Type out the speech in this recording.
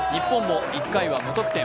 日本も１回は無得点。